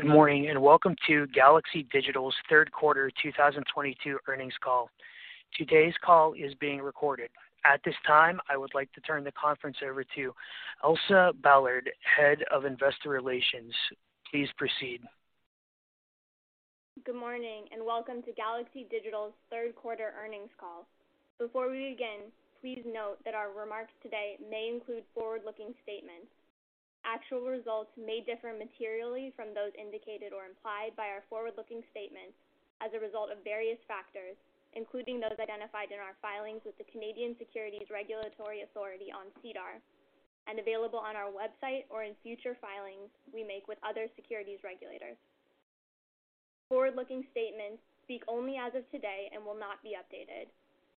Good morning, and welcome to Galaxy Digital's third quarter 2022 earnings call. Today's call is being recorded. At this time, I would like to turn the conference over to Elsa Ballard, Head of Investor Relations. Please proceed. Good morning, and welcome to Galaxy Digital's third quarter earnings call. Before we begin, please note that our remarks today may include forward-looking statements. Actual results may differ materially from those indicated or implied by our forward-looking statements as a result of various factors, including those identified in our filings with the Canadian Securities Administrators on SEDAR, and available on our website or in future filings we make with other securities regulators. Forward-looking statements speak only as of today and will not be updated.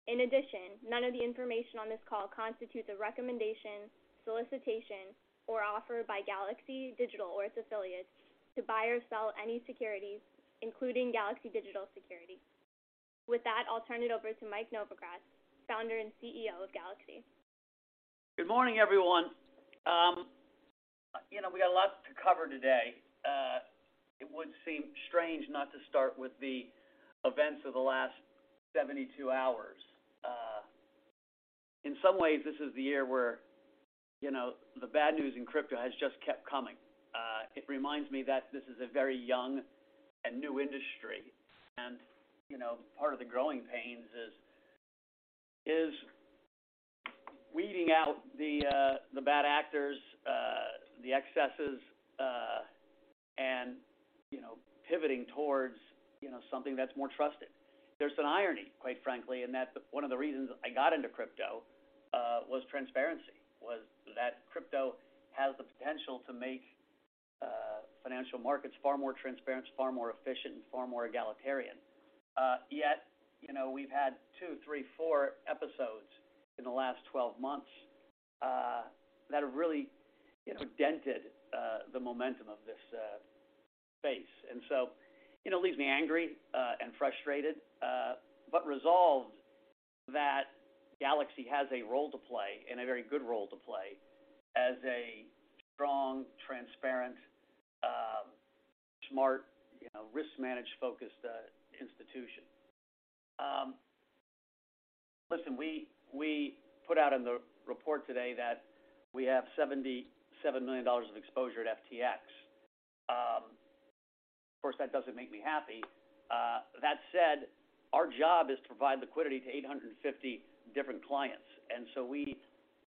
In addition, none of the information on this call constitutes a recommendation, solicitation, or offer by Galaxy Digital or its affiliates to buy or sell any securities, including Galaxy Digital securities. With that, I'll turn it over to Mike Novogratz, Founder and CEO of Galaxy. Good morning, everyone. You know, we got a lot to cover today. It would seem strange not to start with the events of the last 72 hours. In some ways, this is the year where, you know, the bad news in crypto has just kept coming. It reminds me that this is a very young and new industry, and, you know, part of the growing pains is weeding out the bad actors, the excesses, and, you know, pivoting towards, you know, something that's more trusted. There's an irony, quite frankly, in that one of the reasons I got into crypto was transparency, was that crypto has the potential to make, financial markets far more transparent, far more efficient, and far more egalitarian. Yet, you know, we've had two, three, four episodes in the last 12 months that have really, you know, dented the momentum of this space. You know, it leaves me angry and frustrated but resolved that Galaxy has a role to play, and a very good role to play as a strong, transparent, smart, you know, risk managed, focused institution. Listen, we put out in the report today that we have $77 million of exposure at FTX. Of course, that doesn't make me happy. That said, our job is to provide liquidity to 850 different clients. We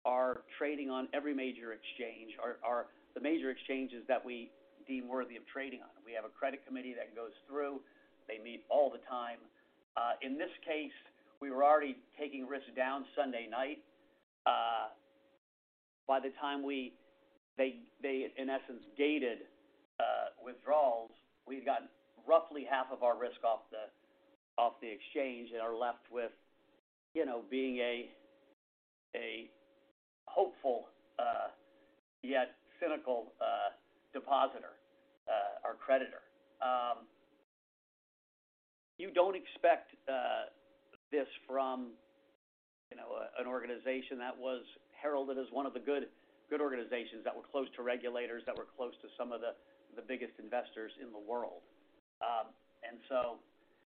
are trading on every major exchange or the major exchanges that we deem worthy of trading on. We have a credit committee that goes through. They meet all the time. In this case, we were already taking risks down Sunday night. By the time they, in essence, gated withdrawals, we'd gotten roughly half of our risk off the exchange and are left with, you know, being a hopeful yet cynical depositor or creditor. You don't expect this from, you know, an organization that was heralded as one of the good organizations that were close to regulators, that were close to some of the biggest investors in the world.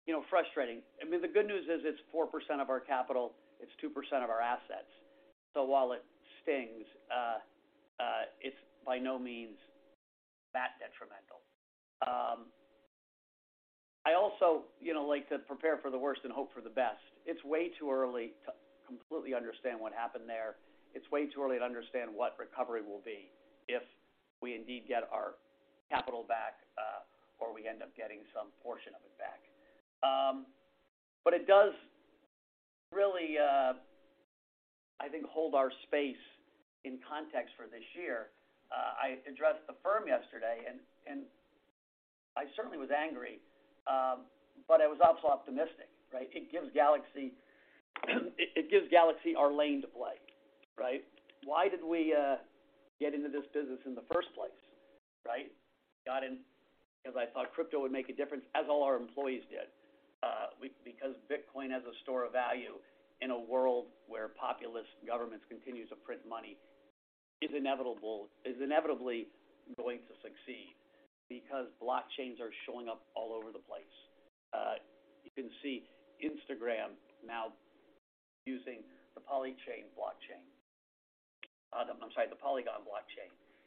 You know, frustrating. I mean, the good news is it's 4% of our capital. It's 2% of our assets. While it stings, it's by no means that detrimental. I also, you know, like to prepare for the worst and hope for the best. It's way too early to completely understand what happened there. It's way too early to understand what recovery will be if we indeed get our capital back, or we end up getting some portion of it back. It does really, I think, hold our space in context for this year. I addressed the firm yesterday and I certainly was angry, but I was also optimistic, right? It gives Galaxy our lane to play, right? Why did we get into this business in the first place, right? Got in because I thought crypto would make a difference, as all our employees did, because Bitcoin as a store of value in a world where populist governments continues to print money is inevitable is inevitably going to succeed because blockchains are showing up all over the place. You can see Instagram now using the Polygon blockchain.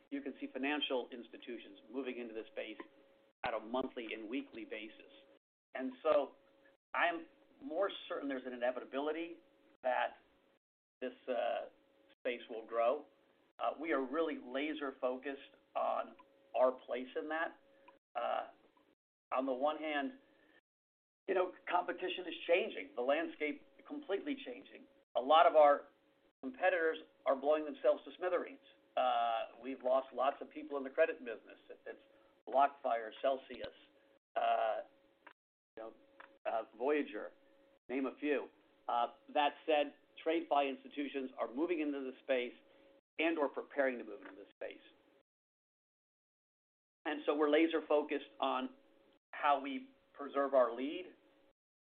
You can see financial institutions moving into this space on a monthly and weekly basis. I'm more certain there's an inevitability that this space will grow. We are really laser-focused on our place in that. On the one hand, you know, competition is changing, the landscape completely changing. A lot of our competitors are blowing themselves to smithereens. We've lost lots of people in the credit business. It's BlockFi or Celsius, you know, Voyager, to name a few. That said, TradeFi institutions are moving into the space and/or preparing to move into the space. We're laser-focused on how we preserve our lead,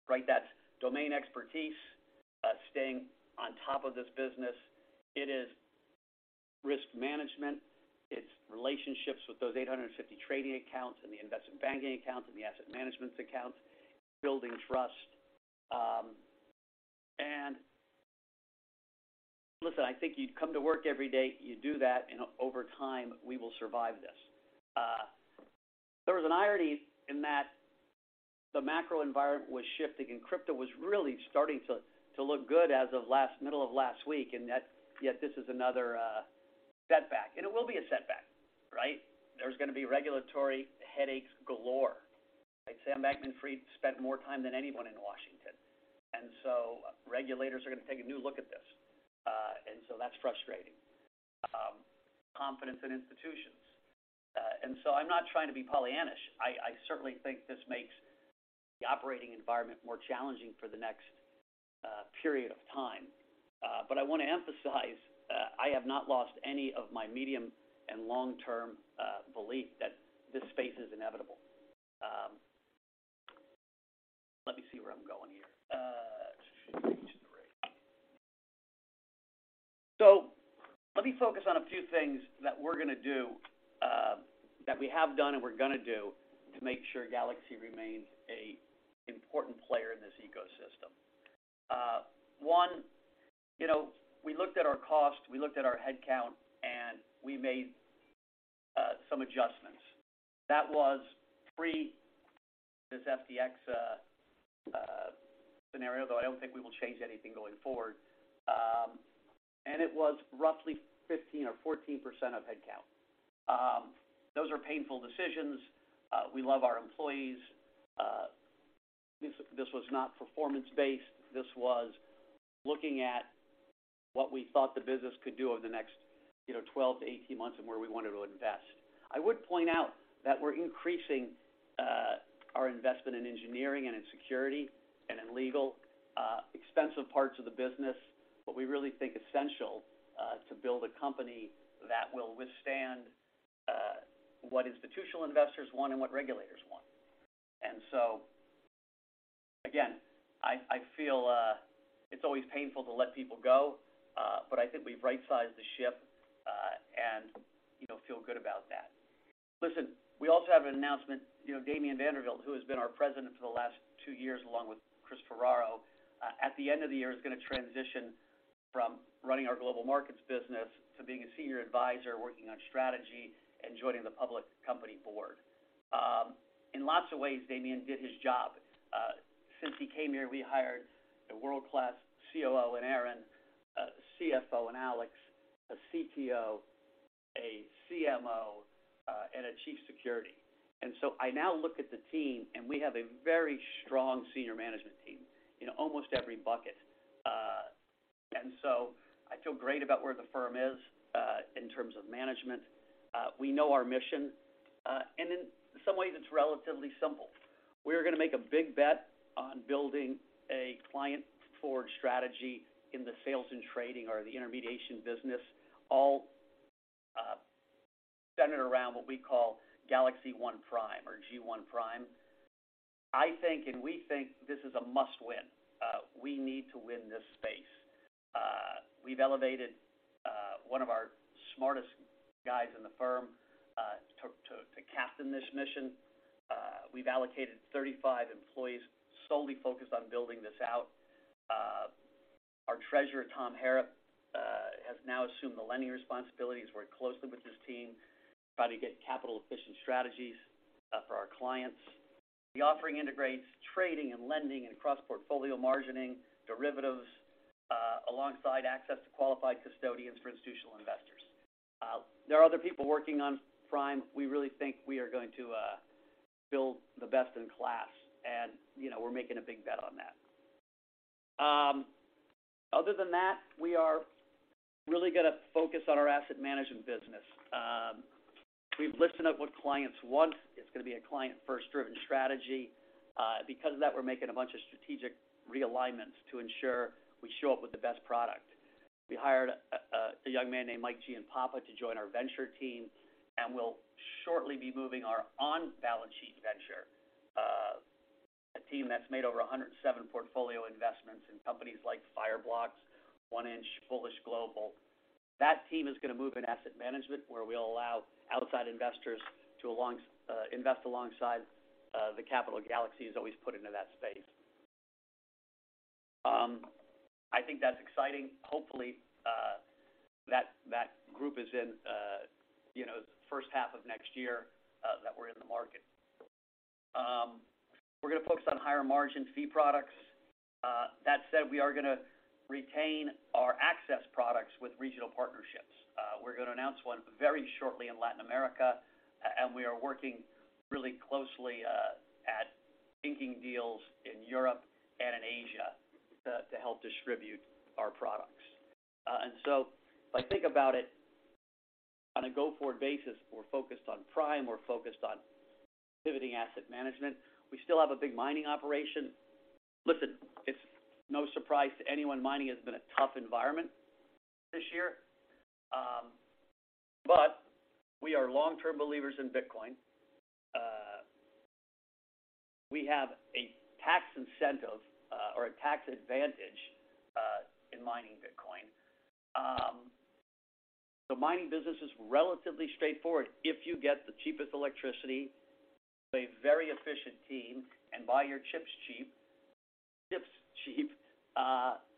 right? That's domain expertise, staying on top of this business. It's risk management, it's relationships with those 850 trading accounts and the investment banking accounts and the asset management accounts, building trust. Listen, I think you come to work every day, you do that, and over time, we will survive this. There was an irony in that the macro environment was shifting and crypto was really starting to look good as of middle of last week. This is another setback. It will be a setback, right? There's going to be regulatory headaches galore, right? Sam Bankman-Fried spent more time than anyone in Washington. Regulators are going to take a new look at this. That's frustrating. Confidence in institutions. I'm not trying to be Pollyannish. I certainly think this makes the operating environment more challenging for the next period of time. I want to emphasize, I have not lost any of my medium and long-term belief that this space is inevitable. Let me see where I'm going here. Let me focus on a few things that we're going to do, that we have done and we're going to do to make sure Galaxy remains an important player in this ecosystem. One, you know, we looked at our cost, we looked at our headcount, and we made some adjustments. That was pre this FTX scenario, though I don't think we will change anything going forward. It was roughly 15% or 14% of headcount. Those are painful decisions. We love our employees. This was not performance-based. This was looking at what we thought the business could do over the next, you know, 12-18 months and where we wanted to invest. I would point out that we're increasing our investment in engineering and in security and in legal, expensive parts of the business, but we really think essential to build a company that will withstand what institutional investors want and what regulators want. Again, I feel it's always painful to let people go, but I think we've right-sized the ship and, you know, feel good about that. Listen, we also have an announcement. You know, Damien Vanderwilt, who has been our president for the last two years along with Chris Ferraro, at the end of the year is going to transition from running our global markets business to being a senior advisor working on strategy and joining the public company board. In lots of ways, Damien did his job. Since he came here, we hired a world-class COO in Erin, a CFO in Alex, a CTO, a CMO, and a chief security. I now look at the team, and we have a very strong senior management team in almost every bucket. I feel great about where the firm is in terms of management. We know our mission. In some ways, it's relatively simple. We're going to make a big bet on building a client-forward strategy in the sales and trading or the intermediation business, all centered around what we call GalaxyOne Prime or G1 Prime. I think and we think this is a must-win. We need to win this space. We've elevated one of our smartest guys in the firm to captain this mission. We've allocated 35 employees solely focused on building this out. Our treasurer, Tom Harrop, has now assumed the lending responsibilities, worked closely with his team, tried to get capital-efficient strategies for our clients. The offering integrates trading and lending and cross-portfolio margining, derivatives, alongside access to qualified custodians for institutional investors. There are other people working on Prime. We really think we are going to build the best in class, and we're making a big bet on that. Other than that, we are really going to focus on our asset management business. We've listened to what clients want. It's going to be a client-first-driven strategy. Because of that, we're making a bunch of strategic realignments to ensure we show up with the best product. We hired a young man named Mike Giampapa to join our venture team, and we'll shortly be moving our on-balance sheet venture, a team that's made over 107 portfolio investments in companies like Fireblocks, 1inch, Bullish Global. That team is going to move in asset management, where we'll allow outside investors to invest alongside the capital Galaxy has always put into that space. I think that's exciting. Hopefully, that group is in the first half of next year that we're in the market. We're going to focus on higher margin fee products. That said, we are going to retain our access products with regional partnerships. We're going to announce one very shortly in Latin America, and we are working really closely at inking deals in Europe and in Asia to help distribute our products. If I think about it on a go-forward basis, we're focused on Prime. We're focused on pivoting asset management. We still have a big mining operation. Listen, it's no surprise to anyone mining has been a tough environment this year. We are long-term believers in Bitcoin. We have a tax incentive, or a tax advantage, in mining Bitcoin. The mining business is relatively straightforward. If you get the cheapest electricity, a very efficient team, and buy your chips cheap,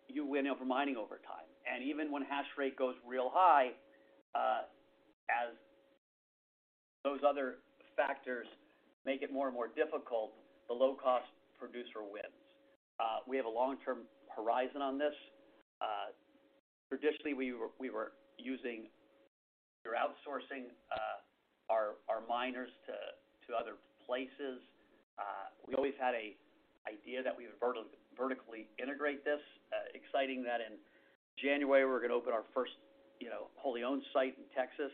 you win over mining over time. Even when hash rate goes real high, as those other factors make it more and more difficult, the low-cost producer wins. We have a long-term horizon on this. Traditionally, we were outsourcing our miners to other places. We always had a idea that we would vertically integrate this. Exciting that in January, we're gonna open our first, you know, wholly owned site in Texas.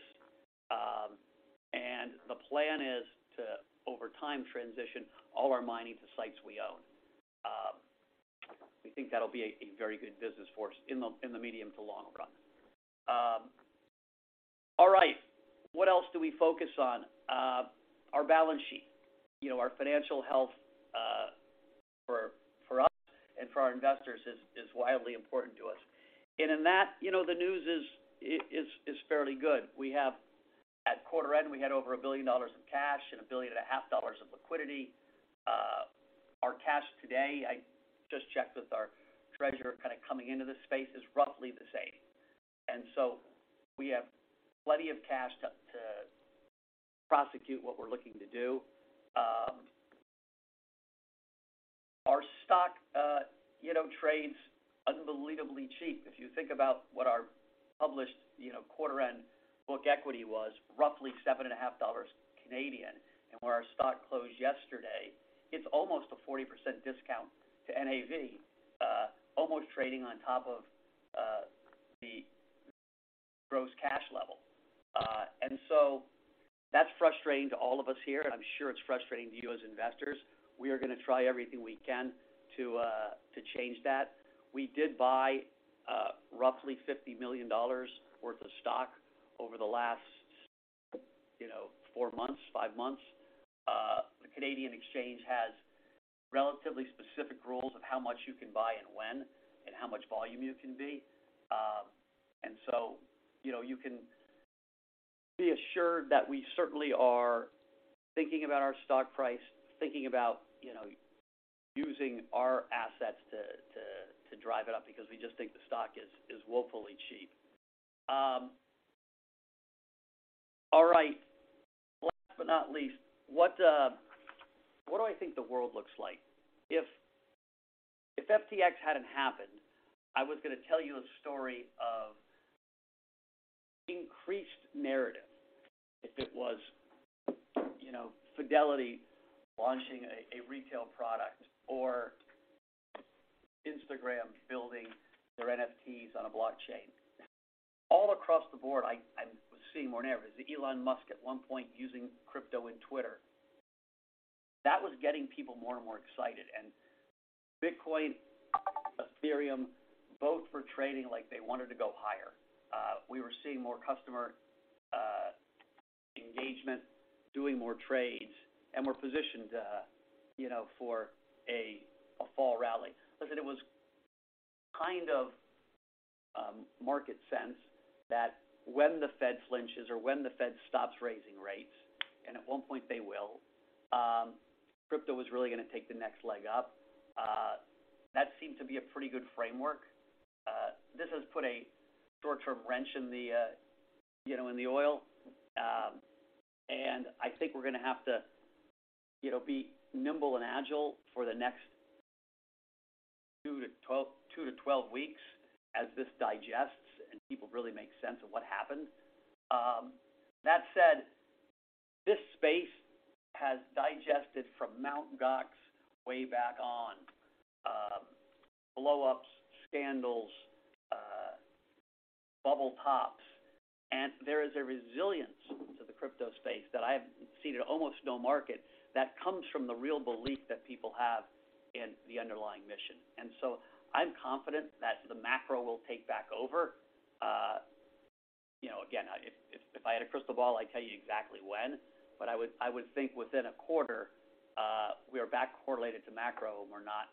The plan is to, over time, transition all our mining to sites we own. We think that'll be a very good business for us in the medium to long run. All right. What else do we focus on? Our balance sheet. You know, our financial health, for us and for our investors is wildly important to us. In that, you know, the news is fairly good. At quarter end, we had over $1 billion of cash and $1.5 billion of liquidity. Our cash today, I just checked with our treasurer kind of coming into this space, is roughly the same. We have plenty of cash to prosecute what we're looking to do. Our stock, you know, trades unbelievably cheap. If you think about what our published, you know, quarter end book equity was roughly seven and a half dollars Canadian, and where our stock closed yesterday, it's almost a 40% discount to NAV, almost trading on top of the gross cash level. That's frustrating to all of us here, and I'm sure it's frustrating to you as investors. We are gonna try everything we can to change that. We did buy roughly $50 million worth of stock over the last, you know, four months, five months. The Canadian exchange has relatively specific rules of how much you can buy and when, and how much volume you can buy. You know, you can be assured that we certainly are thinking about our stock price, thinking about, you know, using our assets to drive it up because we just think the stock is woefully cheap. All right. Last but not least, what do I think the world looks like? If FTX hadn't happened, I was gonna tell you a story of increased narrative. If it was, you know, Fidelity launching a retail product or Instagram building their NFTs on a blockchain. All across the board, I was seeing more narratives. Elon Musk at one point using crypto in Twitter. That was getting people more and more excited. Bitcoin, Ethereum both were trading like they wanted to go higher. We were seeing more customer engagement, doing more trades, and we're positioned, you know, for a fall rally. It was kind of market sense that when the Fed flinches or when the Fed stops raising rates, and at one point they will, crypto was really gonna take the next leg up. That seemed to be a pretty good framework. This has put a short-term wrench in the works. I think we're gonna have to, you know, be nimble and agile for the next two-12 weeks as this digests and people really make sense of what happened. That said, this space has digested from Mt. Gox way back on blowups, scandals, bubble tops. There is a resilience to the crypto space that I've seen in almost no market that comes from the real belief that people have in the underlying mission. I'm confident that the macro will take back over. If I had a crystal ball, I'd tell you exactly when. But I would think within a quarter, we are back correlated to macro and we're not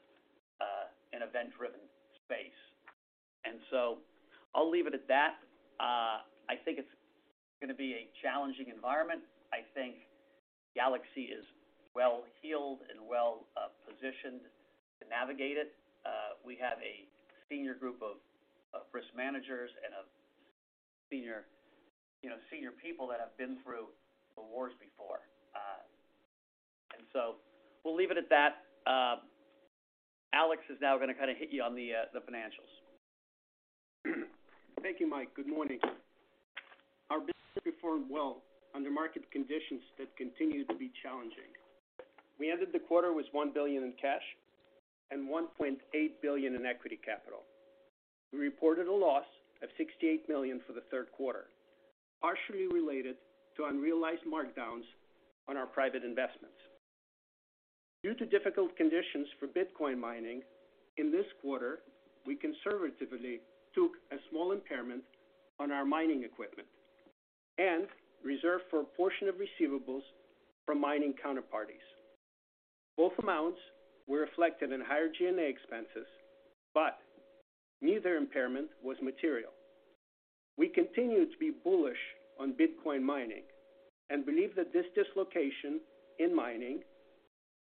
in event-driven space. I'll leave it at that. I think it's gonna be a challenging environment. I think Galaxy is well-heeled and well positioned to navigate it. We have a senior group of risk managers and of senior people that have been through the wars before. We'll leave it at that. Alex is now gonna kinda hit you on the financials. Thank you, Mike. Good morning. Our business performed well under market conditions that continue to be challenging. We ended the quarter with $1 billion in cash and $1.8 billion in equity capital. We reported a loss of $68 million for the third quarter, partially related to unrealized markdowns on our private investments. Due to difficult conditions for Bitcoin mining, in this quarter, we conservatively took a small impairment on our mining equipment. Reserve for a portion of receivables from mining counterparties. Both amounts were reflected in higher G&A expenses, but neither impairment was material. We continue to be bullish on Bitcoin mining and believe that this dislocation in mining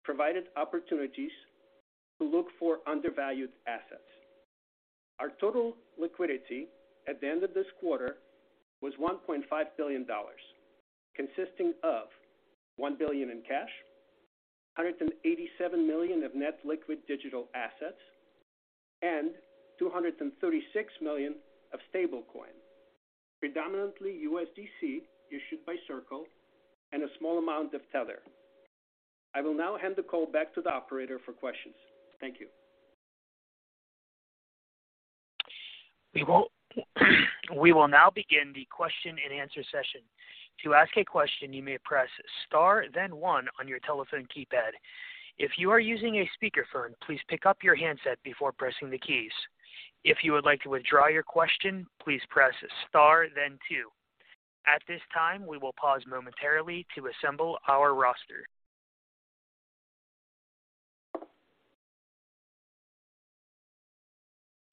provided opportunities to look for undervalued assets. Our total liquidity at the end of this quarter was $1.5 billion, consisting of $1 billion in cash, $187 million of net liquid digital assets, and $236 million of stablecoin, predominantly USDC issued by Circle and a small amount of Tether. I will now hand the call back to the operator for questions. Thank you. We will now begin the question and answer session. To ask a question, you may press star then one on your telephone keypad. If you are using a speakerphone, please pick up your handset before pressing the keys. If you would like to withdraw your question, please press star then two. At this time, we will pause momentarily to assemble our roster.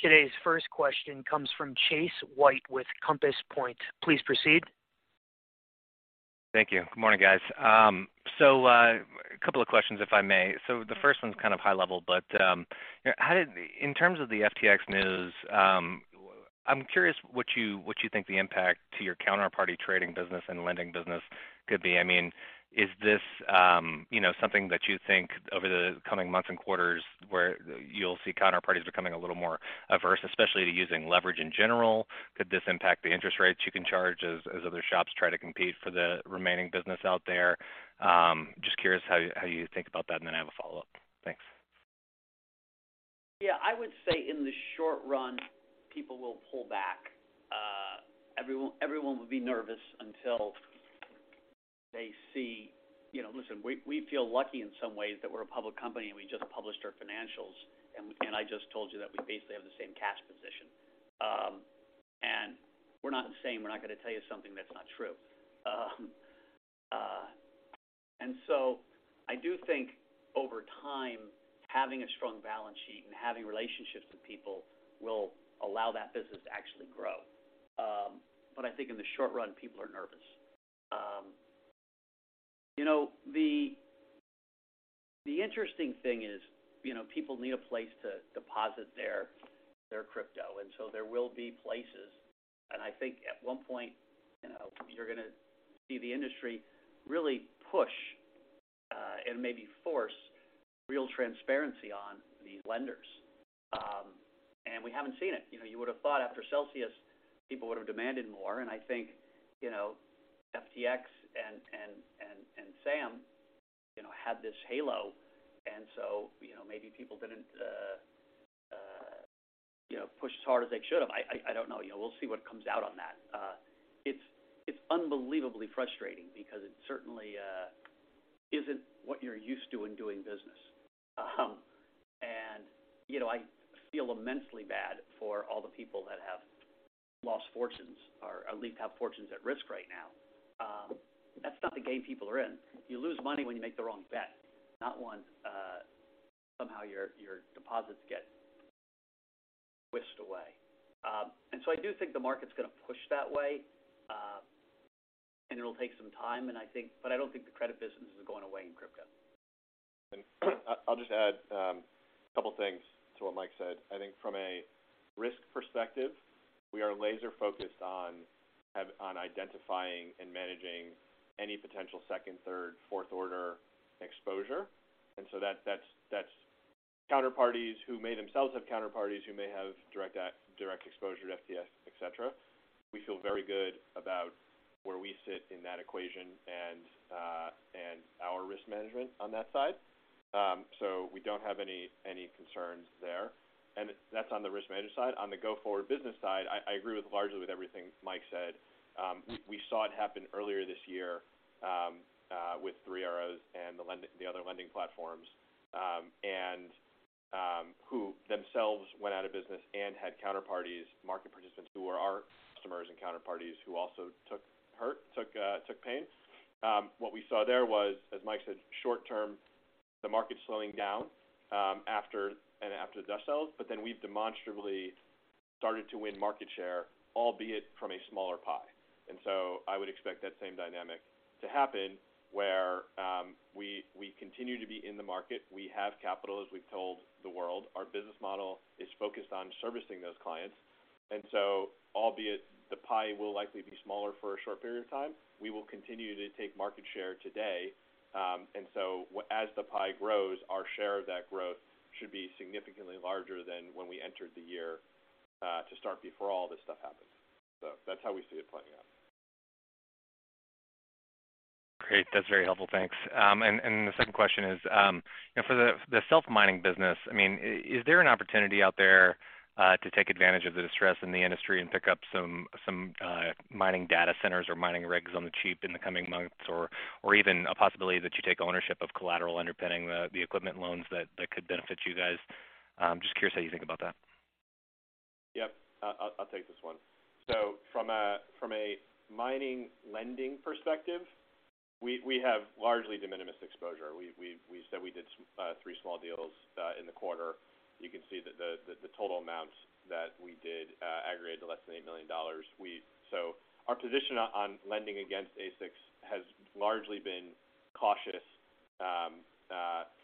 Today's first question comes from Chase White with Compass Point. Please proceed. Thank you. Good morning, guys. A couple of questions, if I may. The first one's kind of high level, but in terms of the FTX news, I'm curious what you think the impact to your counterparty trading business and lending business could be. I mean, is this, you know, something that you think over the coming months and quarters where you'll see counterparties becoming a little more averse, especially to using leverage in general? Could this impact the interest rates you can charge as other shops try to compete for the remaining business out there? Just curious how you think about that, and then I have a follow-up. Thanks. Yeah. I would say in the short run, people will pull back. Everyone will be nervous until they see. You know, listen, we feel lucky in some ways that we're a public company, and we just published our financials. I just told you that we basically have the same cash position. We're not the same. We're not gonna tell you something that's not true. I do think over time, having a strong balance sheet and having relationships with people will allow that business to actually grow. I think in the short run, people are nervous. You know, the interesting thing is, you know, people need a place to deposit their crypto, and so there will be places. I think at one point, you know, you're gonna see the industry really push, and maybe force real transparency on these lenders. We haven't seen it. You know, you would have thought after Celsius, people would have demanded more. I think, you know, FTX and Sam, you know, had this halo, and so, you know, maybe people didn't, you know, push as hard as they should have. I don't know. You know, we'll see what comes out on that. It's unbelievably frustrating because it certainly isn't what you're used to in doing business. I feel immensely bad for all the people that have lost fortunes or at least have fortunes at risk right now. That's not the game people are in. You lose money when you make the wrong bet, not when somehow your deposits get whisked away. I do think the market's gonna push that way, and it'll take some time. I don't think the credit business is going away in crypto. I'll just add a couple things to what Mike said. I think from a risk perspective, we are laser focused on identifying and managing any potential second, third, fourth order exposure. That's counterparties who may themselves have counterparties who may have direct exposure to FTX, et cetera. We feel very good about where we sit in that equation and our risk management on that side. We don't have any concerns there. That's on the risk management side. On the go-forward business side, I largely agree with everything Mike said. We saw it happen earlier this year, with Three Arrows and the lending, the other lending platforms, and who themselves went out of business and had counterparties, market participants who were our customers and counterparties who also took pain. What we saw there was, as Mike said, short term, the market slowing down, after the dust settles. We've demonstrably started to win market share, albeit from a smaller pie. I would expect that same dynamic to happen where we continue to be in the market. We have capital, as we've told the world. Our business model is focused on servicing those clients. Albeit the pie will likely be smaller for a short period of time, we will continue to take market share today. as the pie grows, our share of that growth should be significantly larger than when we entered the year, to start before all this stuff happened. That's how we see it playing out. Great. That's very helpful. Thanks. And the second question is, you know, for the self-mining business, I mean, is there an opportunity out there to take advantage of the distress in the industry and pick up some mining data centers or mining rigs on the cheap in the coming months? Or even a possibility that you take ownership of collateral underpinning the equipment loans that could benefit you guys? Just curious how you think about that? Yep, I'll take this one. From a mining lending perspective, we have largely de minimis exposure. We said we did three small deals in the quarter. You can see that the total amount that we did aggregated to less than $8 million. Our position on lending against ASICs has largely been cautious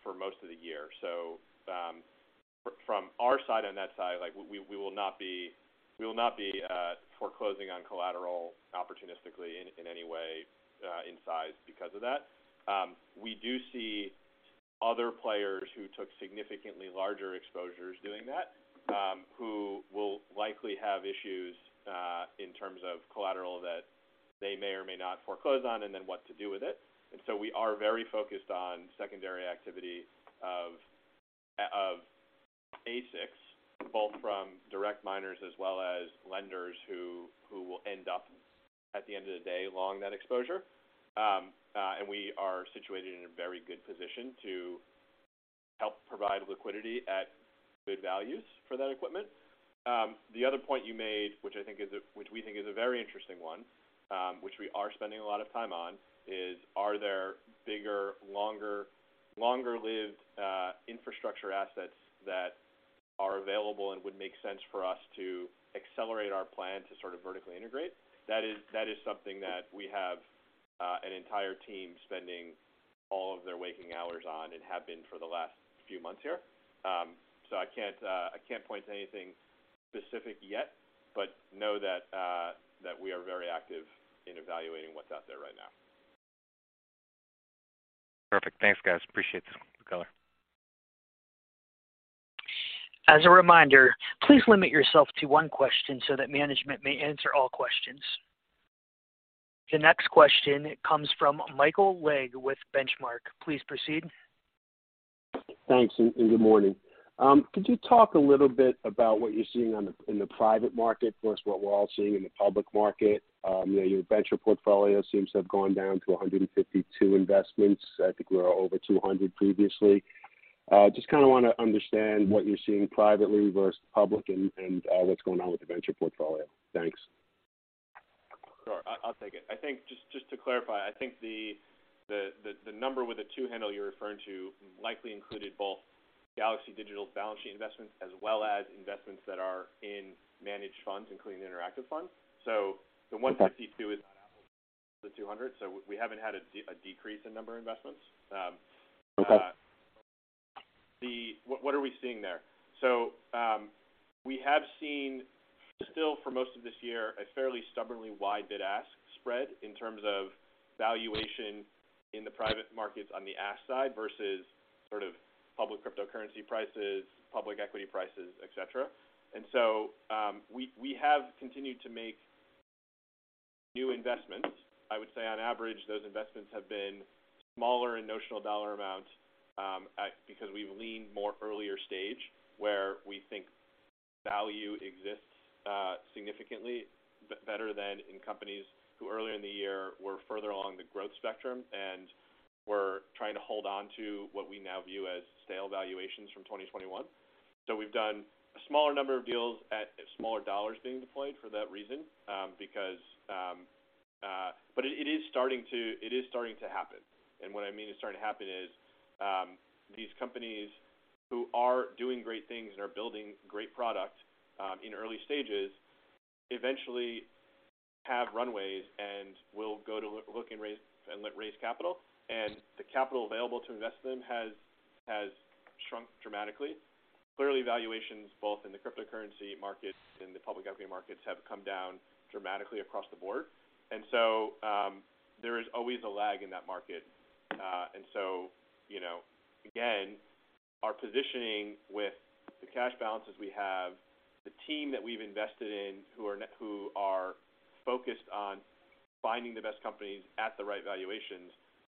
for most of the year. From our side, on that side, like we will not be foreclosing on collateral opportunistically in any way in size because of that. We do see other players who took significantly larger exposures doing that, who will likely have issues in terms of collateral that they may or may not foreclose on and then what to do with it. We are very focused on secondary activity of ASICs, both from direct miners as well as lenders who will end up, at the end of the day, long that exposure. We are situated in a very good position to help provide liquidity at good values for that equipment. The other point you made, which we think is a very interesting one, which we are spending a lot of time on, is are there bigger, longer-lived, infrastructure assets that are available and would make sense for us to accelerate our plan to sort of vertically integrate? That is something that we have an entire team spending all of their waking hours on and have been for the last few months here. I can't point to anything specific yet, but know that we are very active in evaluating what's out there right now. Perfect. Thanks, guys. Appreciate the color. As a reminder, please limit yourself to one question so that management may answer all questions. The next question comes from Michael Legg with Benchmark. Please proceed. Thanks, good morning. Could you talk a little bit about what you're seeing in the private market versus what we're all seeing in the public market? You know, your venture portfolio seems to have gone down to 152 investments. I think we were over 200 previously. Just kinda wanna understand what you're seeing privately versus public and what's going on with the venture portfolio. Thanks. Sure. I'll take it. I think just to clarify, I think the number with the two handle you're referring to likely included both Galaxy Digital's balance sheet investments as well as investments that are in managed funds, including the interactive funds. The 152 is the 200. We haven't had a decrease in number of investments. What are we seeing there? We have seen still for most of this year a fairly stubbornly wide bid-ask spread in terms of valuation in the private markets on the ask side versus sort of public cryptocurrency prices, public equity prices, et cetera. We have continued to make new investments. I would say on average, those investments have been smaller in notional dollar amount, because we've leaned more earlier stage where we think value exists, significantly better than in companies who earlier in the year were further along the growth spectrum, and we're trying to hold on to what we now view as stale valuations from 2021. We've done a smaller number of deals at smaller dollars being deployed for that reason. It is starting to happen. What I mean it's starting to happen is, these companies who are doing great things and are building great product, in early stages eventually have runways and will go to look and raise, and raise capital. The capital available to invest in them has shrunk dramatically. Clearly, valuations both in the cryptocurrency markets and the public equity markets have come down dramatically across the board. There is always a lag in that market. You know, again, our positioning with the cash balances we have, the team that we've invested in who are focused on finding the best companies at the right valuations,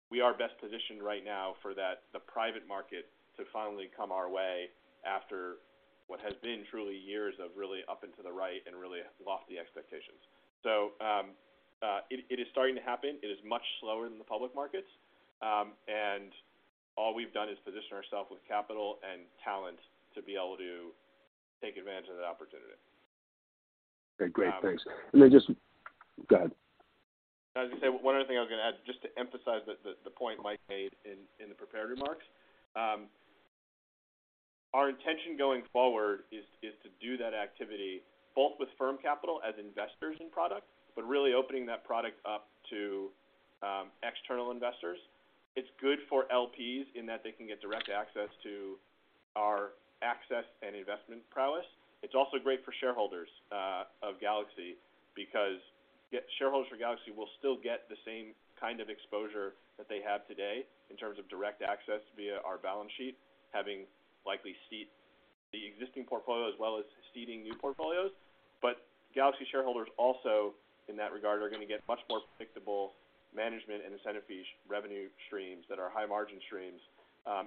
we are best positioned right now for that, the private market to finally come our way after what has been truly years of really up and to the right and really lofty expectations. It is starting to happen. It is much slower than the public markets. All we've done is position ourselves with capital and talent to be able to take advantage of that opportunity. Okay, great. Thanks. Go ahead. As I said, one other thing I was gonna add, just to emphasize the point Mike made in the prepared remarks. Our intention going forward is to do that activity both with firm capital as investors in product, but really opening that product up to external investors. It's good for LPs in that they can get direct access to our assets and investment prowess. It's also great for shareholders of Galaxy because shareholders for Galaxy will still get the same kind of exposure that they have today in terms of direct access via our balance sheet, having likely seeded the existing portfolio as well as seeding new portfolios. Galaxy shareholders also in that regard are gonna get much more predictable management and incentive fee revenue streams that are high margin streams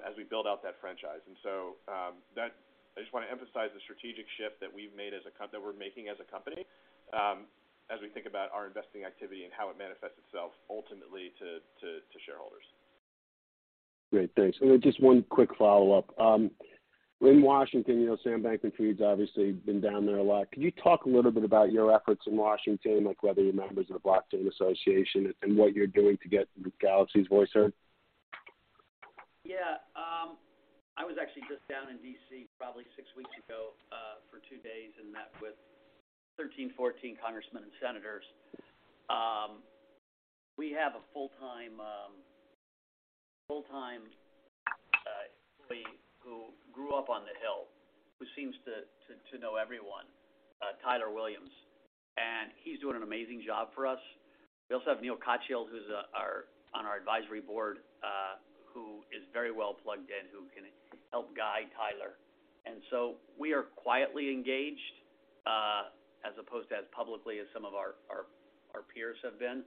as we build out that franchise. I just want to emphasize the strategic shift that we've made that we're making as a company, as we think about our investing activity and how it manifests itself ultimately to shareholders. Great. Thanks. Just one quick follow-up. In Washington, you know, Sam Bankman-Fried's obviously been down there a lot. Could you talk a little bit about your efforts in Washington, like whether you're members of the Blockchain Association and what you're doing to get Galaxy's voice heard? Yeah. I was actually just down in D.C. probably six weeks ago, for two days and met with 13, 14 congressmen and senators. We have a full-time employee who grew up on the Hill, who seems to know everyone, Tyler Williams, and he's doing an amazing job for us. We also have Neil Kotchell, who's on our advisory board, who is very well plugged in, who can help guide Tyler. We are quietly engaged, as opposed to as publicly as some of our peers have been,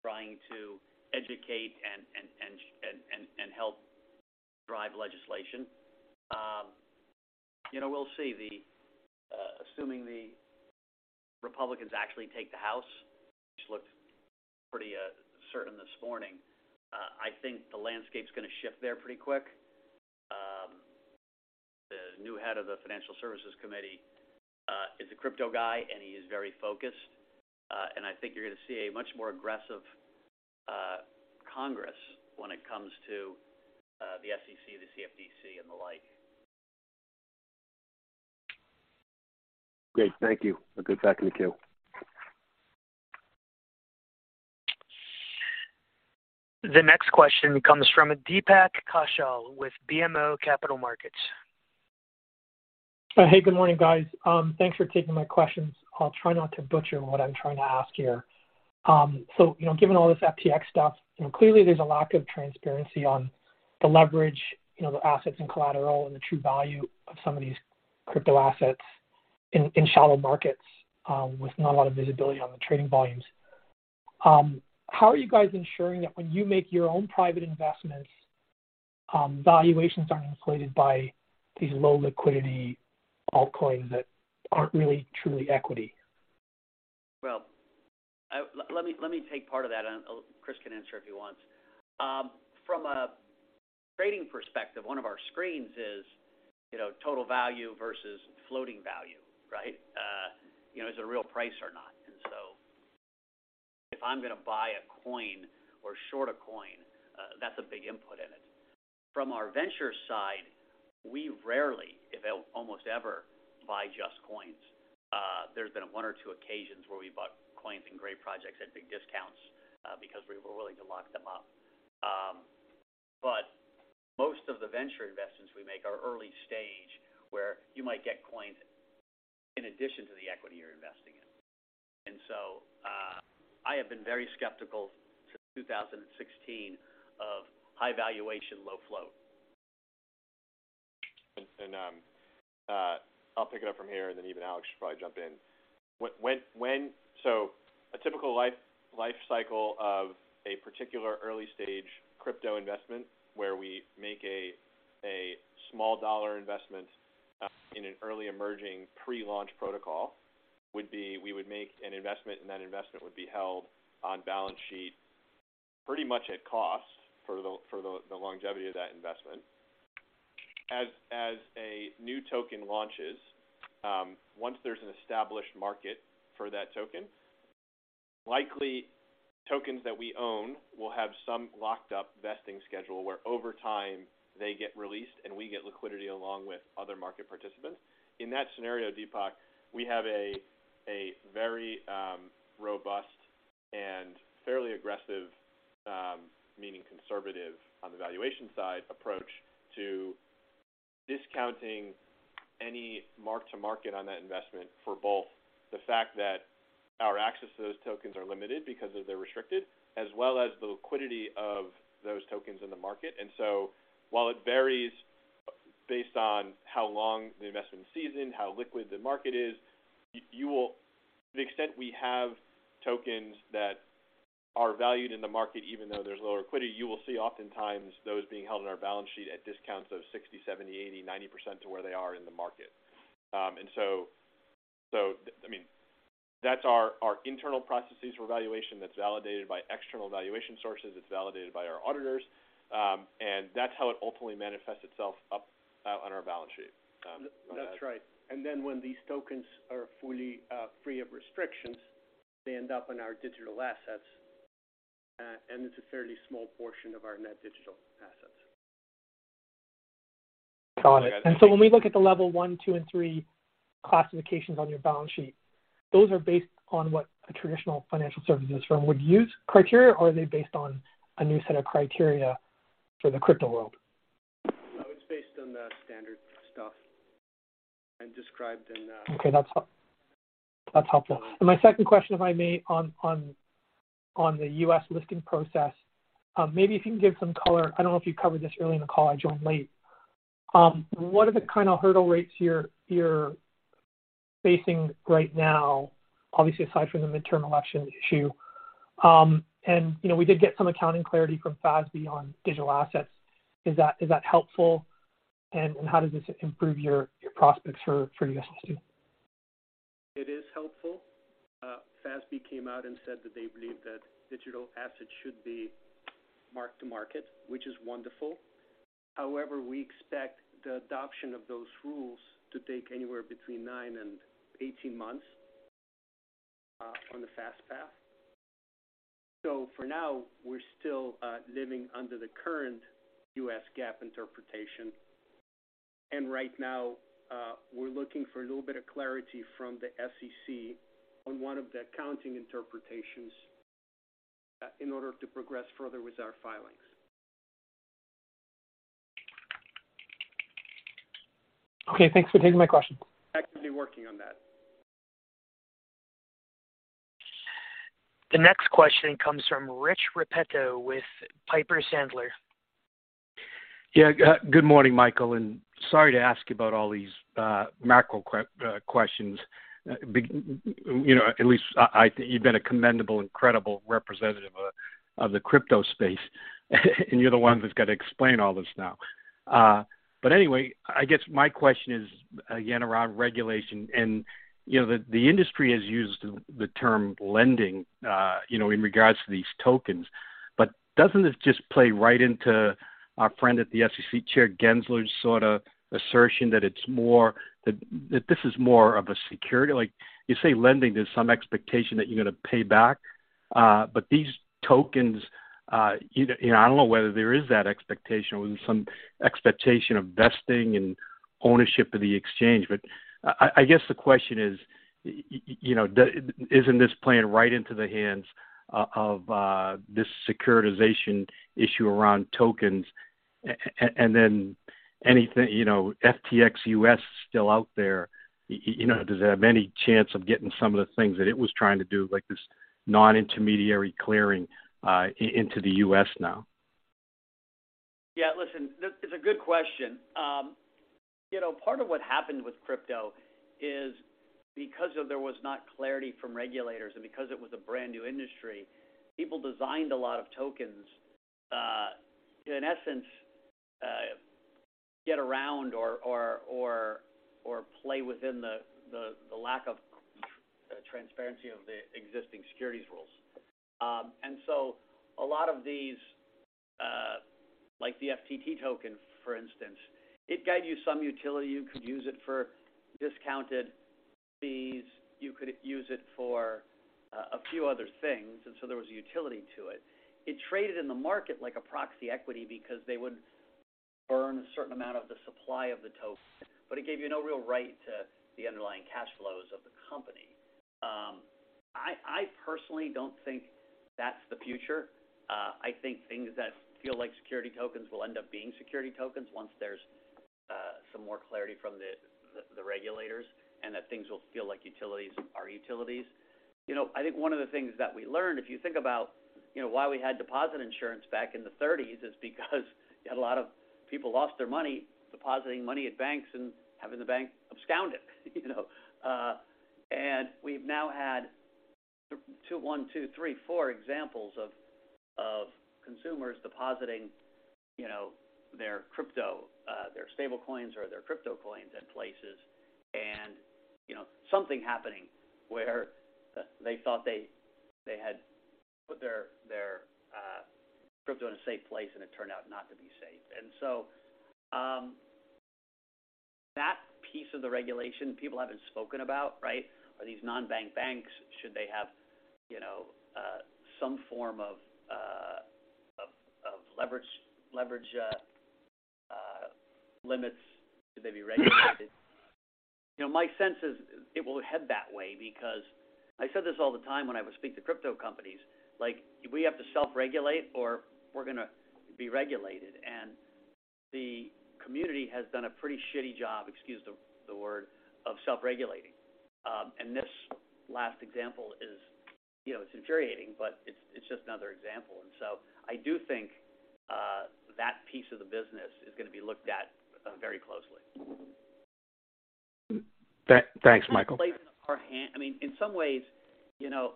trying to educate and help drive legislation. You know, we'll see. Assuming the Republicans actually take the House, which looked pretty certain this morning, I think the landscape's gonna shift there pretty quick. The new head of the Financial Services Committee is a crypto guy, and he is very focused. I think you're gonna see a much more aggressive Congress when it comes to the SEC, the CFTC, and the like. Great. Thank you. You're back in the queue. The next question comes from Deepak Kaushal with BMO Capital Markets. Hey, good morning, guys. Thanks for taking my questions. I'll try not to butcher what I'm trying to ask here. So, you know, given all this FTX stuff, you know, clearly there's a lack of transparency on the leverage, you know, the assets and collateral and the true value of some of these crypto assets in shallow markets, with not a lot of visibility on the trading volumes. How are you guys ensuring that when you make your own private investments, valuations aren't inflated by these low liquidity altcoins that aren't really truly equity? Well, let me take part of that, and Chris can answer if he wants. From a trading perspective, one of our screens is, you know, total value versus floating value, right? You know, is it a real price or not? If I'm gonna buy a coin or short a coin, that's a big input in it. From our venture side, we rarely, if almost ever, buy just coins. There's been one or two occasions where we bought coins and great projects at big discounts, because we were willing to lock them up. But most of the venture investments we make are early stage where you might get coins in addition to the equity you're investing in. I have been very skeptical since 2016 of high valuation, low float. I'll pick it up from here, and then you and Alex should probably jump in. A typical life cycle of a particular early-stage crypto investment where we make a small dollar investment in an early emerging pre-launch protocol would be, we would make an investment, and that investment would be held on balance sheet pretty much at cost for the longevity of that investment. As a new token launches, once there's an established market for that token, likely tokens that we own will have some locked-up vesting schedule where over time they get released, and we get liquidity along with other market participants. In that scenario, Deepak, we have a very robust and fairly aggressive, meaning conservative on the valuation side approach to discounting any mark-to-market on that investment for both the fact that our access to those tokens are limited because they're restricted, as well as the liquidity of those tokens in the market. While it varies based on how long the investment seasoned, how liquid the market is, to the extent we have tokens that are valued in the market, even though there's low liquidity, you will see oftentimes those being held in our balance sheet at discounts of 60%, 70%, 80%, 90% to where they are in the market. I mean, that's our internal processes for valuation that's validated by external valuation sources. It's validated by our auditors. That's how it ultimately manifests itself up on our balance sheet. Go ahead. That's right. When these tokens are fully free of restrictions, they end up in our digital assets. It's a fairly small portion of our net digital assets. Got it. When we look at the level one, two, and three classifications on your balance sheet, those are based on what a traditional financial services firm would use criteria, or are they based on a new set of criteria for the crypto world? No, it's based on the standard stuff and described in. Okay, that's helpful. My second question, if I may, on the U.S. listing process, maybe if you can give some color. I don't know if you covered this early in the call. I joined late. What are the kind of hurdle rates you're facing right now, obviously, aside from the midterm election issue? You know, we did get some accounting clarity from FASB on digital assets. Is that helpful? How does this improve your prospects for U.S. listing? It is helpful. FASB came out and said that they believe that digital assets should be mark to market, which is wonderful. However, we expect the adoption of those rules to take anywhere between nine and 18 months on the fast path. For now, we're still living under the current US GAAP interpretation. Right now, we're looking for a little bit of clarity from the SEC on one of the accounting interpretations in order to progress further with our filings. Okay, thanks for taking my question. Actively working on that. The next question comes from Rich Repetto with Piper Sandler. Yeah. Good morning, Michael, and sorry to ask you about all these macro questions. You know, at least I think you've been a commendable and credible representative of the crypto space, and you're the one that's got to explain all this now. Anyway, I guess my question is again around regulation and, you know, the industry has used the term lending, you know, in regards to these tokens. Doesn't this just play right into our friend at the SEC Chair Gensler's sort of assertion that it's more that this is more of a security. Like you say lending, there's some expectation that you're gonna pay back. These tokens, you know, I don't know whether there is that expectation or some expectation of vesting and ownership of the exchange. I guess the question is, you know, isn't this playing right into the hands of this securitization issue around tokens and then anything, you know, FTX US still out there, you know, does it have any chance of getting some of the things that it was trying to do, like this non-intermediary clearing into the U.S. now? Yeah, listen, it's a good question. You know, part of what happened with crypto is because there was not clarity from regulators and because it was a brand-new industry, people designed a lot of tokens, in essence, get around or play within the lack of transparency of the existing securities rules. A lot of these, like the FTT token for instance, it got you some utility. You could use it for discounted fees. You could use it for a few other things. There was a utility to it. It traded in the market like a proxy equity because they would burn a certain amount of the supply of the token, but it gave you no real right to the underlying cash flows of the company. I personally don't think that's the future. I think things that feel like security tokens will end up being security tokens once there's some more clarity from the regulators and that things will feel like utilities are utilities. You know, I think one of the things that we learned, if you think about, you know, why we had deposit insurance back in the thirties, is because you had a lot of people lost their money depositing money at banks and having the bank abscond it, you know. We've now had four examples of consumers depositing, you know, their crypto, their stable coins or their crypto coins at places and, you know, something happening where they thought they had put their crypto in a safe place, and it turned out not to be safe. that piece of the regulation people haven't spoken about, right? Are these non-bank banks, should they have, you know, some form of leverage limits? Should they be regulated? You know, my sense is it will head that way because I said this all the time when I would speak to crypto companies like, "We have to self-regulate or we're gonna be regulated." The community has done a pretty job, excuse the word, of self-regulating. This last example is, you know, it's infuriating, but it's just another example. I do think that piece of the business is gonna be looked at very closely. Thanks, Michael. It's not played in our hand. I mean, in some ways, you know,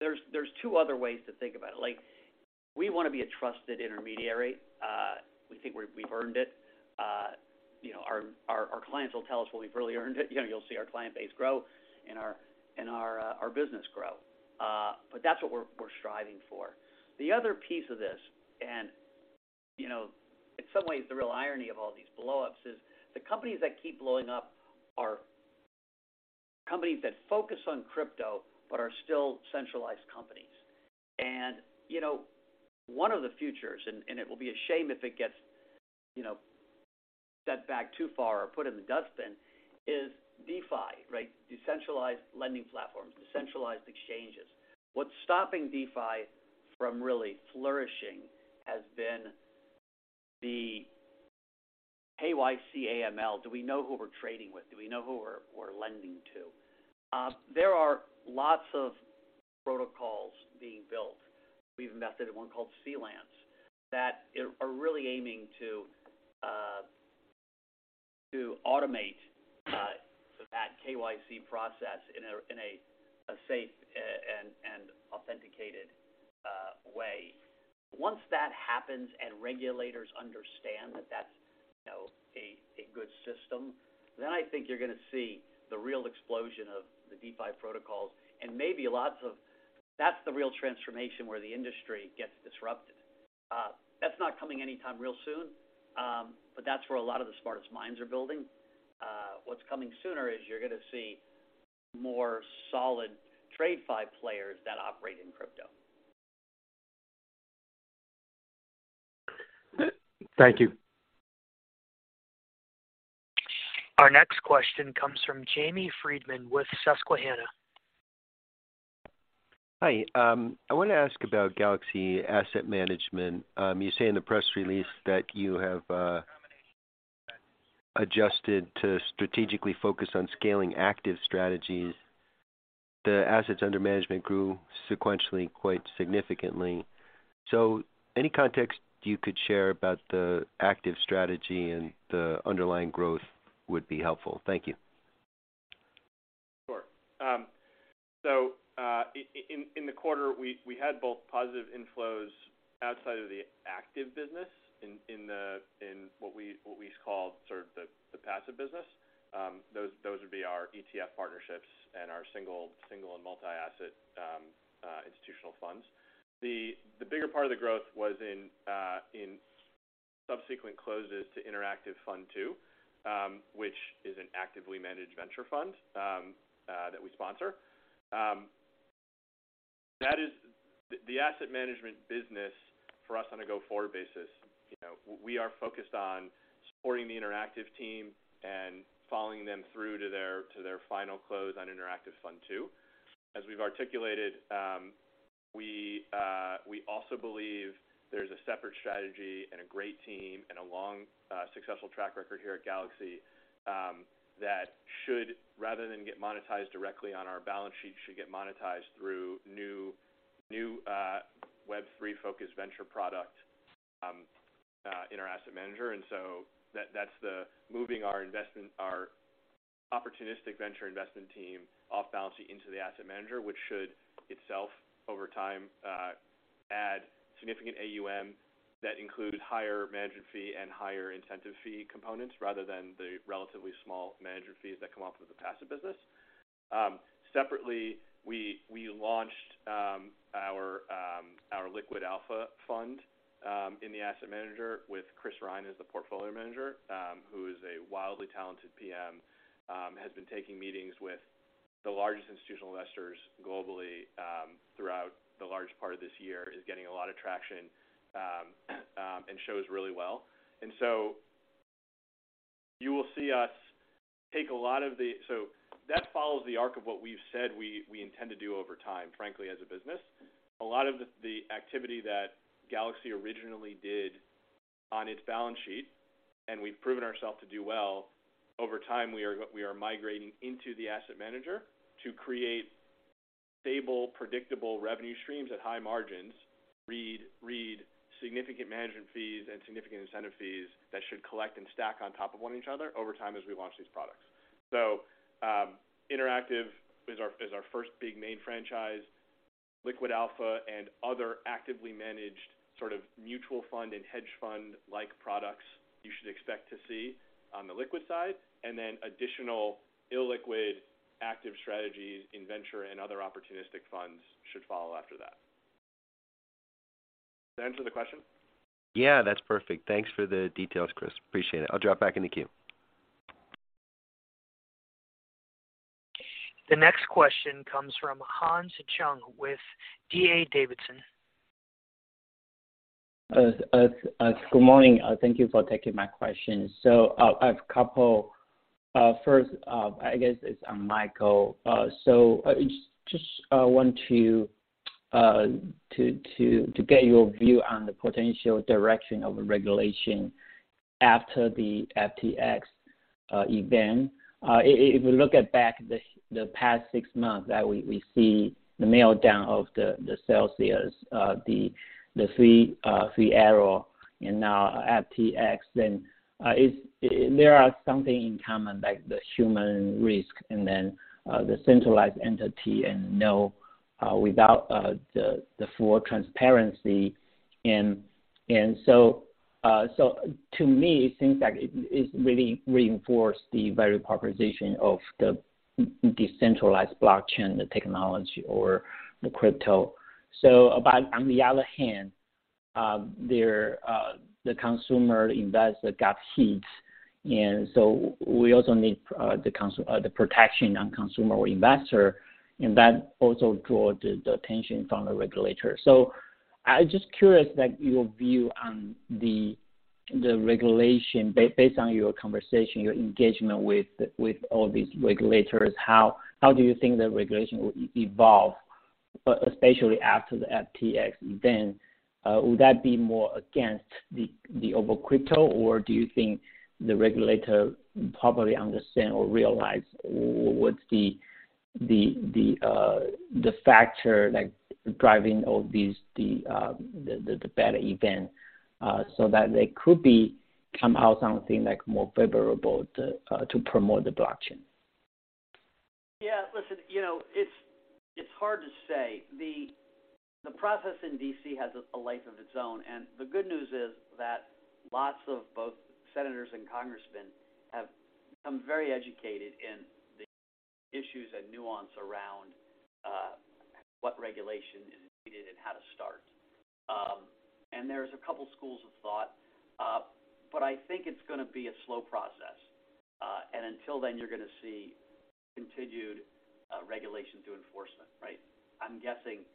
there's two other ways to think about it. Like, we wanna be a trusted intermediary. We think we've earned it. You know, our clients will tell us when we've really earned it. You know, you'll see our client base grow and our business grow. That's what we're striving for. The other piece of this, you know, in some ways the real irony of all these blowups is the companies that keep blowing up are companies that focus on crypto but are still centralized companies. You know, one of the futures, and it will be a shame if it gets, you know, set back too far or put in the dustbin is DeFi, right? Decentralized lending platforms, decentralized exchanges. What's stopping DeFi from really flourishing has been the KYC AML. Do we know who we're trading with? Do we know who we're lending to? There are lots of protocols being built. We've invested in one called Celo that are really aiming to automate that KYC process in a safe. Once that happens, and regulators understand that that's a good system, then I think you're gonna see the real explosion of the DeFi protocols. That's the real transformation where the industry gets disrupted. That's not coming anytime real soon, but that's where a lot of the smartest minds are building. What's coming sooner is you're gonna see more solid TradeFi players that operate in crypto. Thank you. Our next question comes from Jamie Friedman with Susquehanna. Hi. I wanna ask about Galaxy Asset Management. You say in the press release that you have adjusted to strategically focus on scaling active strategies. The assets under management grew sequentially quite significantly. Any context you could share about the active strategy and the underlying growth would be helpful. Thank you. Sure. In the quarter, we had both positive inflows outside of the active business in what we call sort of the passive business. Those would be our ETF partnerships and our single and multi-asset institutional funds. The bigger part of the growth was in subsequent closes to Interactive Fund Two, which is an actively managed venture fund that we sponsor. That is the asset management business for us on a go-forward basis, you know, we are focused on supporting the Interactive team and following them through to their final close on Interactive Fund Two. As we've articulated, we also believe there's a separate strategy and a great team and a long, successful track record here at Galaxy that should, rather than get monetized directly on our balance sheet, should get monetized through new Web3-focused venture product in our asset manager. That's the moving our investment, our opportunistic venture investment team off balance sheet into the asset manager, which should itself over time add significant AUM that includes higher management fee and higher incentive fee components rather than the relatively small management fees that come off of the passive business. Separately, we launched our Liquid Alpha Fund in the asset manager with Chris Rhine as the portfolio manager, who is a wildly talented PM. has been taking meetings with the largest institutional investors globally, throughout the large part of this year, is getting a lot of traction, and shows really well. You will see us take a lot of the. That follows the arc of what we've said we intend to do over time, frankly, as a business. A lot of the activity that Galaxy originally did on its balance sheet, and we've proven ourselves to do well over time, we are migrating into the asset manager to create stable, predictable revenue streams at high margins with significant management fees and significant incentive fees that should collect and stack on top of one another over time as we launch these products. Interactive is our first big main franchise. Liquid Alpha and other actively managed sort of mutual fund and hedge fund-like products you should expect to see on the liquid side. Additional illiquid active strategies in venture and other opportunistic funds should follow after that. Does that answer the question? Yeah, that's perfect. Thanks for the details, Chris. Appreciate it. I'll drop back in the queue. The next question comes from Hans Chung with D.A. Davidson. Good morning. Thank you for taking my question. I have a couple. First, I guess it's on Michael. So, just want to get your view on the potential direction of regulation after the FTX event. If we look back at the past six months, we see the meltdown of the Celsius, the Three Arrows Capital, and now FTX. Is there something in common like the human risk and then the centralized entity without the full transparency. To me, it seems like it really reinforce the very proposition of the decentralized blockchain, the technology or the crypto. On the other hand, the consumer investor got hit, and we also need the protection on consumer or investor, and that also draw the attention from the regulator. I was just curious, like, your view on the regulation based on your conversation, your engagement with all these regulators, how do you think the regulation will evolve, especially after the FTX event? Would that be more against the overall crypto, or do you think the regulator probably understand or realize what's the factor, like, driving all these, the bad event, so that they could become out something, like, more favorable to promote the blockchain? Yeah, listen, you know, it's hard to say. The process in D.C. has a life of its own, and the good news is that lots of both senators and congressmen have become very educated in the issues and nuance around what regulation is needed and how to start. There's a couple schools of thought, but I think it's gonna be a slow process. Until then, you're gonna see continued regulation through enforcement, right? I'm guessing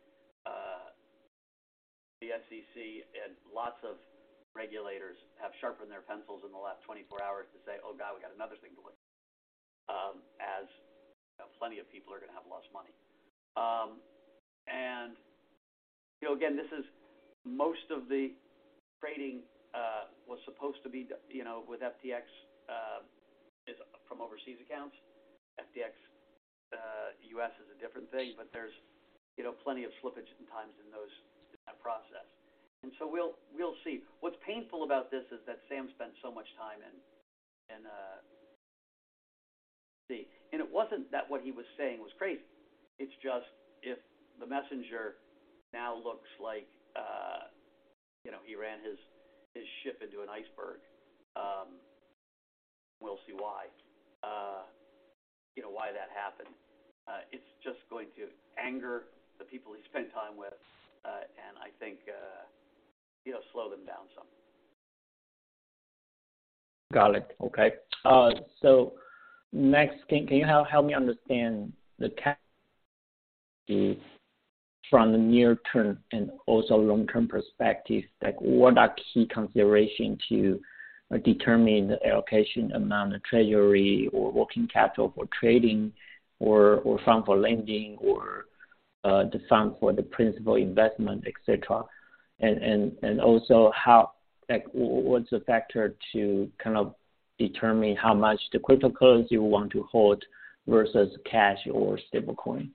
the SEC and lots of regulators have sharpened their pencils in the last 24 hours to say, "Oh, God, we got another thing to look at." As plenty of people are gonna have lost money. You know, again, this is most of the trading was supposed to be, you know, with FTX is from overseas accounts. FTX US is a different thing, but there's, you know, plenty of slippage at times in that process. We'll see. What's painful about this is that Sam spent so much time in D.C. It wasn't that what he was saying was crazy. It's just if the messenger now looks like, you know, he ran his ship into an iceberg, and we'll see why, you know, why that happened. It's just going to anger the people he spent time with, and I think, you know, slow them down some. Got it. Okay. Next, can you help me understand from the near term and also long-term perspective, like what are key consideration to determine the allocation amount of treasury or working capital for trading or fund for lending or the fund for the principal investment, et cetera. Also how. Like, what's the factor to kind of determine how much the cryptocurrencies you want to hold versus cash or stablecoin?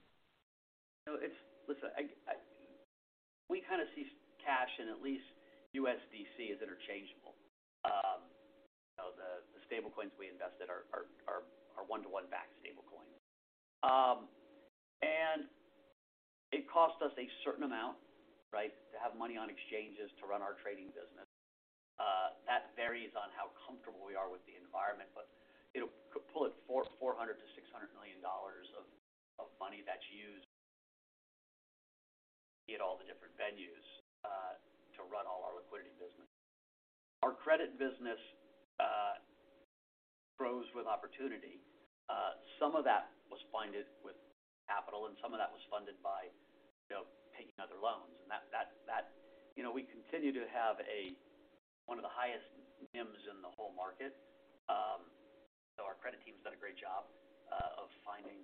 You know, we kinda see cash and at least USDC as interchangeable. You know, the stablecoins we invested are one-to-one backed stablecoins. It costs us a certain amount, right, to have money on exchanges to run our trading business. That varies on how comfortable we are with the environment, but it'll be $400 million-$600 million of money that's used at all the different venues to run all our liquidity business. Our credit business grows with opportunity. Some of that was funded with capital, and some of that was funded by, you know, taking other loans. You know, we continue to have one of the highest NIMs in the whole market. Our credit team's done a great job of finding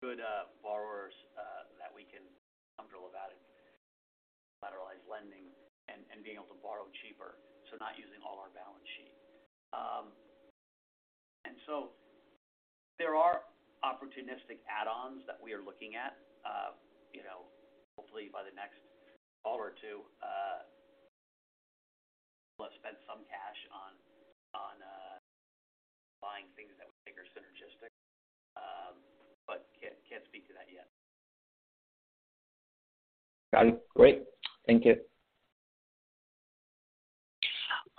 good borrowers that we can feel comfortable about it, collateralized lending and being able to borrow cheaper, so not using all our balance sheet. There are opportunistic add-ons that we are looking at, you know, hopefully by the next call or two. We'll have spent some cash on buying things that we think are synergistic, but can't speak to that yet. Got it. Great. Thank you.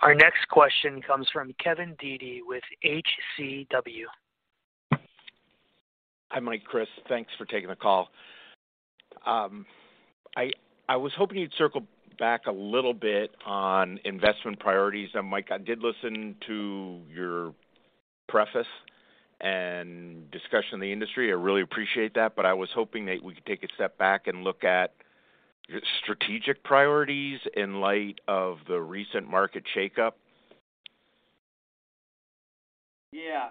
Our next question comes from Kevin Dede with HCW. Hi, Mike, Chris. Thanks for taking the call. I was hoping you'd circle back a little bit on investment priorities. Mike, I did listen to your preface and discussion on the industry. I really appreciate that, but I was hoping that we could take a step back and look at strategic priorities in light of the recent market shakeup. Yeah.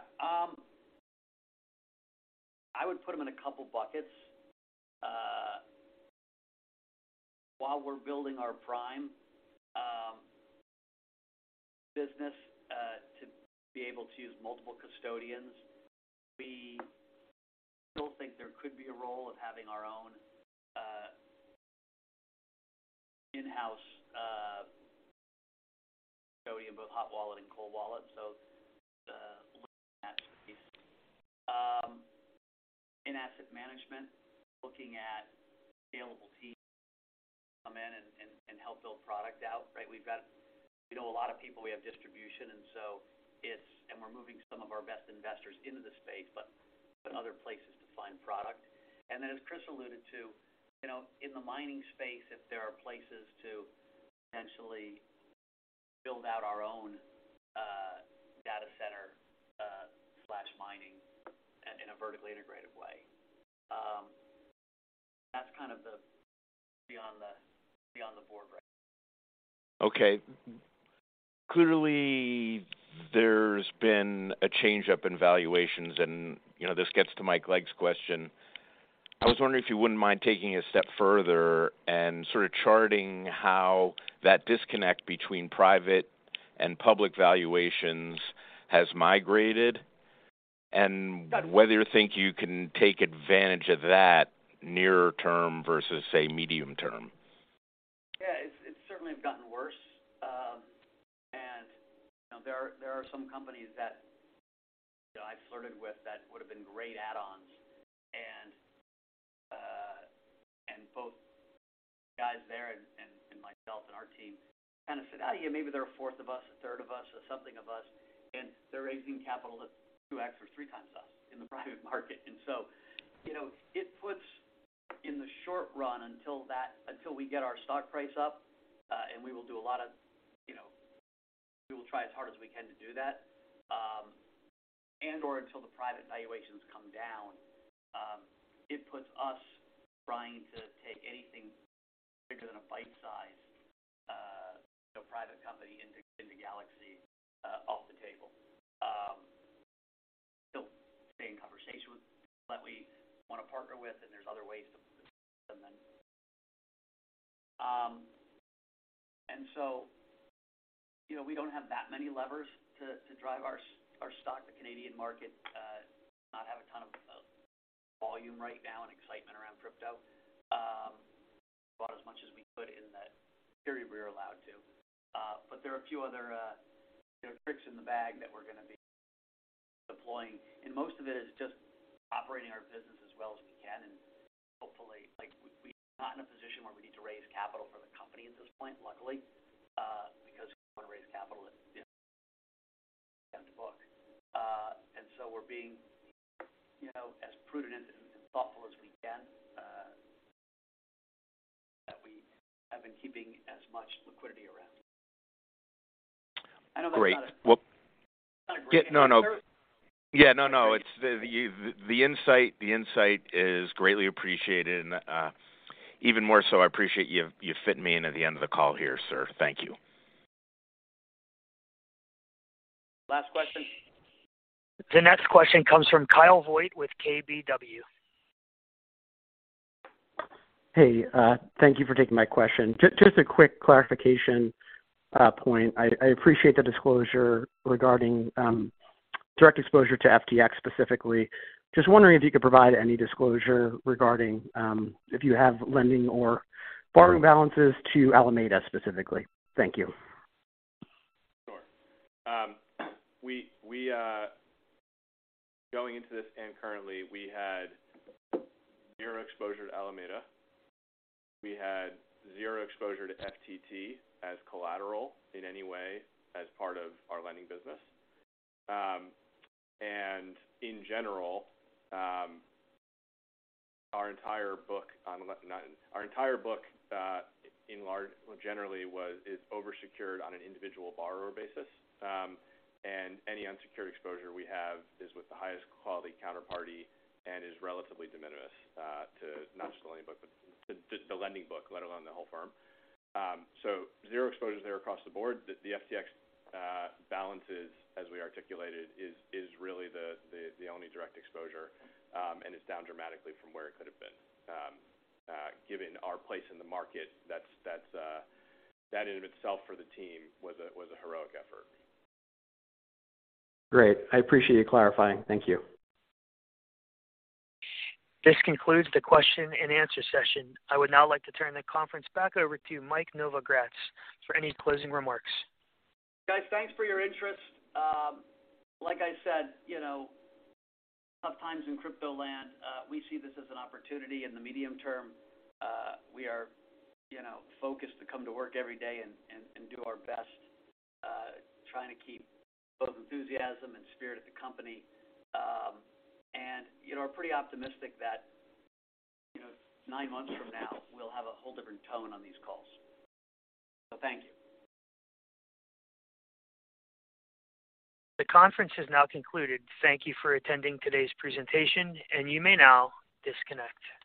I would put them in a couple buckets. While we're building our prime business to be able to use multiple custodians, we still think there could be a role of having our own in-house custodian, both hot wallet and cold wallet. Looking at that space. In asset management, looking at available teams to come in and help build product out, right? We've got, you know, a lot of people, we have distribution, and so it's, and we're moving some of our best investors into the space, but other places to find product. As Chris alluded to, you know, in the mining space, if there are places to potentially build out our own data center slash mining in a vertically integrated way. That's kind of the three on the board right now. Okay. Clearly, there's been a changeup in valuations and, you know, this gets to Mike Legg's question. I was wondering if you wouldn't mind taking a step further and sort of charting how that disconnect between private and public valuations has migrated. Got it. whether you think you can take advantage of that nearer term versus, say, medium term? Certainly have gotten worse. You know, there are some companies that, you know, I flirted with that would have been great add-ons. Both guys there and myself and our team kind of said, "Oh, yeah, maybe they're a fourth of us, a third of us, or something of us," and they're raising capital that's 2x or 3x us in the private market. You know, it puts in the short run until that, until we get our stock price up, and we will do a lot of, you know, we will try as hard as we can to do that and/or until the private valuations come down. It puts us trying to take anything bigger than a bite size, you know, private company into Galaxy off the table. Still stay in conversation with people that we wanna partner with, and there's other ways to partner with them. You know, we don't have that many levers to drive our stock. The Canadian market does not have a ton of volume right now and excitement around crypto. We bought as much as we could in the period we were allowed to. There are a few other you know, tricks in the bag that we're gonna be deploying. Most of it is just operating our business as well as we can, and hopefully like we are not in a position where we need to raise capital for the company at this point, luckily, because we don't wanna raise capital at you know, 50% of the book. We're being, you know, as prudent and thoughtful as we can in knowing that we have been keeping as much liquidity around. I know that's not a Great. That's not a great answer. Yeah, no. The insight is greatly appreciated. Even more so, I appreciate you fitting me in at the end of the call here, sir. Thank you. Last question. The next question comes from Kyle Voigt with KBW. Hey. Thank you for taking my question. Just a quick clarification point. I appreciate the disclosure regarding direct exposure to FTX specifically. Just wondering if you could provide any disclosure regarding if you have lending or borrowing balances to Alameda specifically. Thank you. Sure. Going into this and currently, we had zero exposure to Alameda. We had zero exposure to FTT as collateral in any way as part of our lending business. Our entire book generally is oversecured on an individual borrower basis. Any unsecured exposure we have is with the highest quality counterparty and is relatively de minimis to not just the lending book, but the lending book, let alone the whole firm. Zero exposures there across the board. FTX balances, as we articulated, is really the only direct exposure. It's down dramatically from where it could have been. Given our place in the market, that's. That in and of itself for the team was a heroic effort. Great. I appreciate you clarifying. Thank you. This concludes the question and answer session. I would now like to turn the conference back over to Mike Novogratz for any closing remarks. Guys, thanks for your interest. Like I said, you know, tough times in crypto land. We see this as an opportunity in the medium term. We are, you know, focused to come to work every day and do our best, trying to keep both enthusiasm and spirit at the company. You know, we're pretty optimistic that, you know, nine months from now we'll have a whole different tone on these calls. Thank you. The conference has now concluded. Thank you for attending today's presentation, and you may now disconnect.